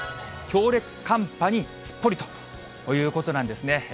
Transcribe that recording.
強烈寒波にすっぽりということなんですね。